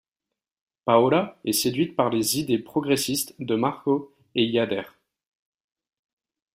Paola est séduite par les idées progressistes de Marco et y adhère.